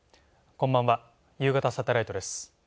こんばんは『ゆうがたサテライト』です。